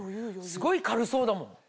すごい軽そうだもん。